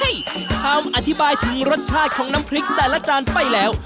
คำอธิบายถึงรสชาติของน้ำพริกแต่ละจานไปแล้ว